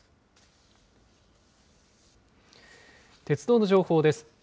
鉄道の情報です。